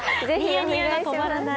ぜひお願いします。